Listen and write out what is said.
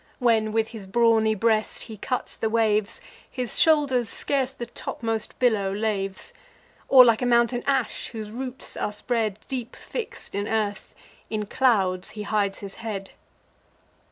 (When with his brawny breast he cuts the waves, His shoulders scarce the topmost billow laves), Or like a mountain ash, whose roots are spread, Deep fix'd in earth; in clouds he hides his head.